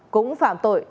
cũng phạm tội